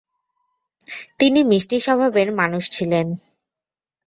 তিনি মিষ্টি স্বভাবের মানুষ ছিলেন।